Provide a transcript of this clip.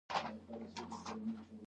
خوړل د ځوانې نجونې پخلی ښيي